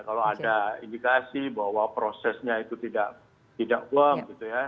kalau ada indikasi bahwa prosesnya itu tidak firm gitu ya